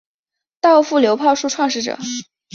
稻富流炮术创始者。